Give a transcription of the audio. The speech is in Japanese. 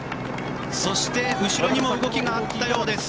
そして後ろにも動きがあったようです。